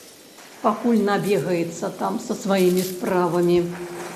Пакуль набегаецца там са сваімі справамі.